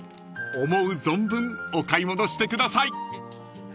［思う存分お買い物してください］